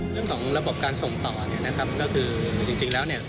เรื่องของระบบการส่งต่อจริงแล้ว